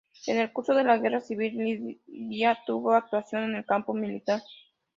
En el curso de la guerra civil libia tuvo actuación en el campo militar.